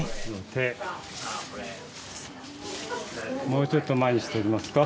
もうちょっと前にしてみますか？